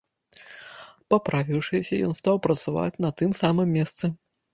Паправіўшыся, ён стаў працаваць на тым самым месцы.